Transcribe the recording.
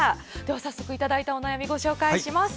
早速、いただいたお悩みご紹介します。